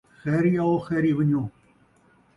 خیری آؤ خیری ون٘ڄو